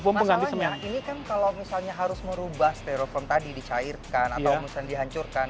masalahnya ini kan kalau misalnya harus merubah stereofoam tadi dicairkan atau misalnya dihancurkan